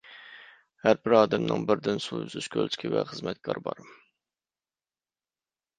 ھەربىر ئادەمنىڭ بىردىن سۇ ئۈزۈش كۆلچىكى ۋە خىزمەتكار بار.